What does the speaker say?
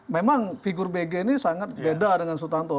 memang figur bg ini sangat beda dengan sutanto